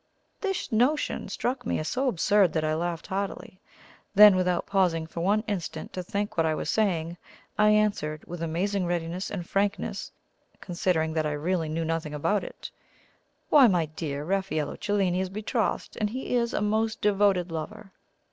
This notion struck me as so absurd that I laughed heartily. Then, without pausing for one instant to think what I was saying, I answered with amazing readiness and frankness, considering that I really knew nothing about it: "Why, my dear, Raffaello Cellini is betrothed, and he is a most devoted lover."